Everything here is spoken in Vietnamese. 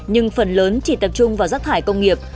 nhưng phần lớn chỉ tập trung vào rác thải công nghiệp